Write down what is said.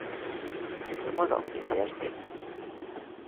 তোমার অফিসে আর সেলফোনে।